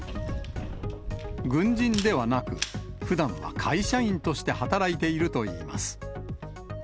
軍人ではなく、ふだんは会社員として働いているといいます。